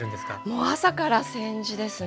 もう朝から千手ですね。